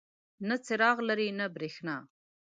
نه څراغ لري نه بریښنا.